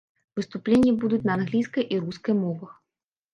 Выступленні будуць на англійскай і рускай мовах.